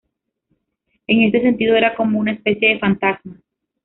En este sentido era como una especie de "fantasma".